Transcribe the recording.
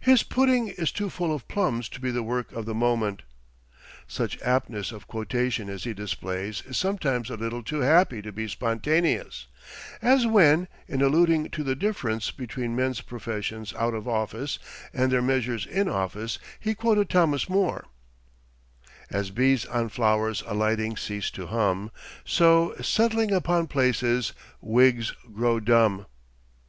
His pudding is too full of plums to be the work of the moment. Such aptness of quotation as he displays is sometimes a little too happy to be spontaneous; as when, in alluding to the difference between men's professions out of office and their measures in office, he quoted Thomas Moore: "As bees on flowers alighting cease to hum, So, settling upon places, Whigs grow dumb."